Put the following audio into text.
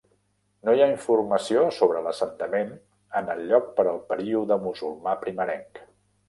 No hi ha informació sobre l'assentament en el lloc per al període musulmà primerenc.